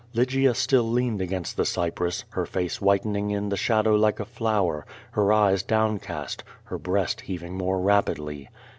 Lygia still leaned against the cypress, her face whitening in the shadow like a flower, her eyes downcast, her breast heav ing more rapidly.